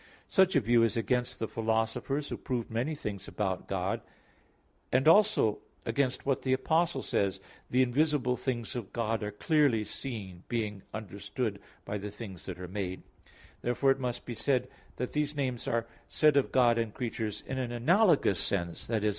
Such a view is against the philosophers, who proved many things about God, and also against what the Apostle says: "The invisible things of God are clearly seen being understood by the things that are made" (Rom. 1:20). Therefore it must be said that these names are said of God and creatures in an analogous sense, i.e.